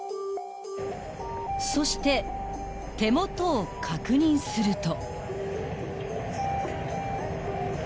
［そして手元を確認すると］